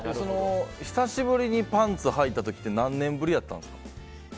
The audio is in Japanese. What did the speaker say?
久しぶりにパンツはいた時って何年ぶりやったんですか？